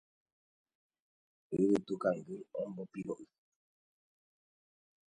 Yvytukangy ombopiro'y